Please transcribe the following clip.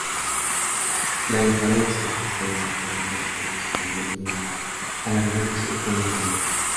La inflorescencia es densa con muchas flores cuando es nueva, alargándose con la madurez.